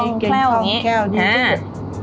เก่งข้องแค่ว่านี้